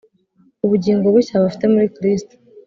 ubugingo bushya bafite muri Kristo.